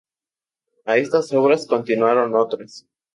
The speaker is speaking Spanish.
A estas obras continuaron otras.